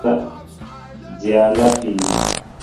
Dya na pii.